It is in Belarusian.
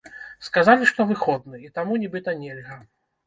Сказалі, што выходны, і таму нібыта нельга.